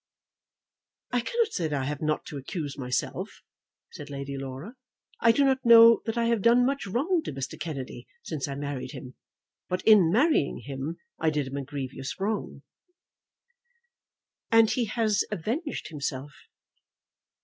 "I cannot say that I have not to accuse myself," said Lady Laura. "I do not know that I have done much wrong to Mr. Kennedy since I married him; but in marrying him I did him a grievous wrong." "And he has avenged himself."